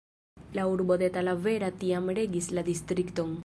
La urbo de Talavera tiam regis la distrikton.